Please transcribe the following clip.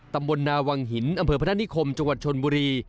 ตำบลนาวังหินอำเภอพนักนิคมจังหวัดชนบุรี